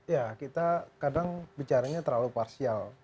ya kita kadang bicaranya terlalu parsial